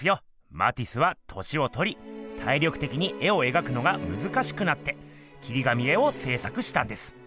マティスは年をとり体力てきに絵を描くのがむずかしくなって切り紙絵をせい作したんです。